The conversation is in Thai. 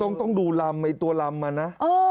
ต้องดูลำไอ้ตัวลำมันนะ